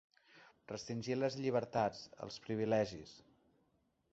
Restringir les llibertats, els privilegis.